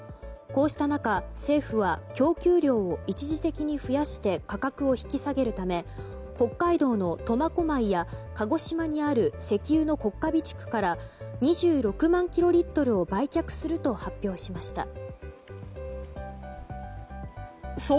こうした中政府は供給量を一時的に増やして価格を引き下げるため北海道の苫小牧や鹿児島にある石油の国家備蓄から２６万キロリットルを売却すると発表しました。